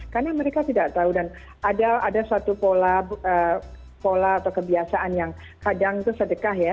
karena mereka tidak tahu dan ada satu pola atau kebiasaan yang kadang itu sedekah ya